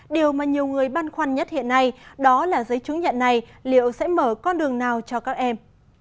điều mà nhiều người băn khoăn nhất hiện nay đó là giấy chứng nhận này liệu sẽ mở con đường nào cho các em